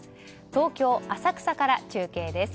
東京・浅草から中継です。